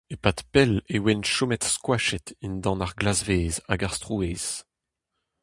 E-pad pell e oant chomet skoachet dindan ar glasvez hag ar strouezh.